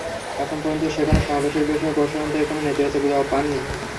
এখন পর্যন্ত সেখানে সমাবেশের বিষয়ে প্রশাসন থেকে কোনো নেতিবাচক জবাব পাননি।